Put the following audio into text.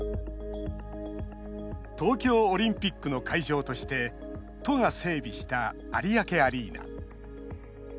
東京オリンピックの会場として都が整備した有明アリーナ。